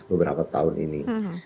beberapa tahun ini